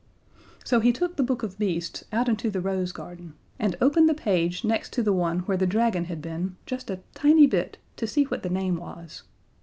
So he took The Book of Beasts out into the rose garden and opened the page next to the one where the Dragon had been just a tiny bit to see what the name was.